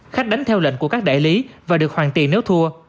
khách đánh theo lệnh của các đại lý và được hoàn tiền nếu thua